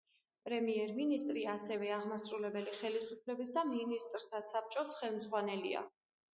პრემიერ-მინისტრი ასევე აღმასრულებელი ხელისუფლების და მინისტრთა საბჭოს ხელმძღვანელია.